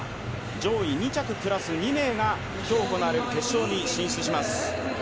上位２着プラス２名が今日行われる決勝に進出します。